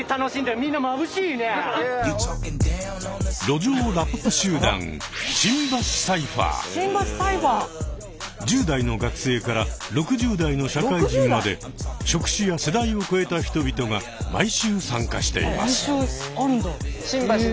路上ラップ集団１０代の学生から６０代の社会人まで職種や世代を超えた人々が毎週参加しています。